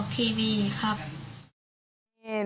ที่หนูจะได้ออกทีวีครับ